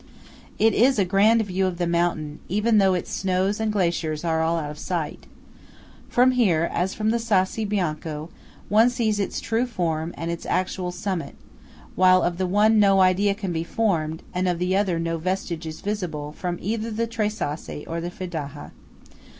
It is a grand view of the mountain, even though its snows and glaciers are all out of sight. From here, as from the Sassi Bianco, one sees its true form and its actual summit; while of the one no idea can be formed, and of the other no vestige is visible, from either the Tre Sassi or the Fedaja.